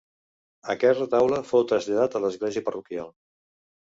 Aquest retaule fou traslladat a l'església parroquial.